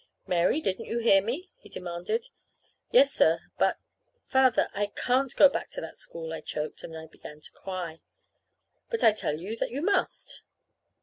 "Mary, didn't you hear me?" he demanded. "Yes, sir, but Father, I can't go back to that school," I choked. And I began to cry. "But I tell you that you must."